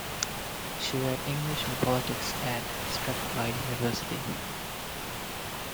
She read English and Politics at Strathclyde University.